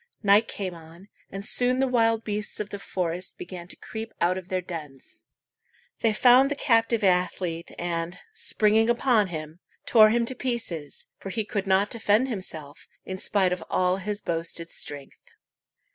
Night came on, and soon the wild beasts of the forest began to creep out of their dens. They found the captive athlete, and, springing upon him, tore him to pieces, for he could not defend himself, in spite of all his boasted strength.